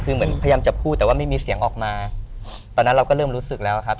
คือเหมือนพยายามจะพูดแต่ว่าไม่มีเสียงออกมาตอนนั้นเราก็เริ่มรู้สึกแล้วครับ